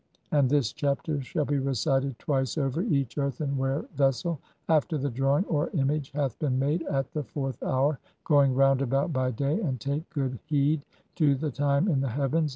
AND [THIS CHAPTER] SHALL BE RECITED TWICE OVER EACH EARTHEN WARE VESSEL, AFTER THE DRAWING {OR IMAGE) HATH BEEN MADE, AT THE FOURTH HOUR, GOING ROUND ABOUT BY DAY ; (28) AND TAKE GOOD HEED TO THE TIME IN THE HEAVENS.